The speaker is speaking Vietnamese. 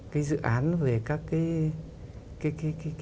cái dự án về các cái